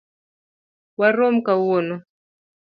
Warom kawuono.